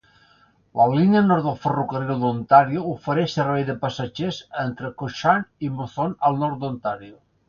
La línia nord del ferrocarril d'Ontario ofereix servei de passatgers entre Cochrane i Moosonee al nord d'Ontario.